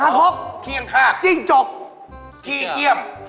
กินเหอะต้องเอาขี้จิ้งเหลง